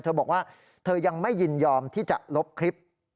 เธอบอกว่าเธอยังไม่ยินยอมที่จะลบคลิป